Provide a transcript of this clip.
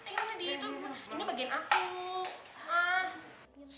ini bagian aku